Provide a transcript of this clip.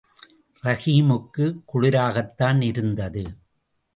ரஹீமுக்கும் குளிராகத்தான் இருந்தது.